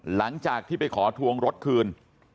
หลังจากที่ไปขอทวงรถคืน